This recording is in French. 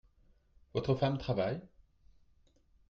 Votre femme travaille ?